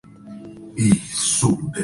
Ganó batallas en Orleans y Le Mans.